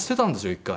一回。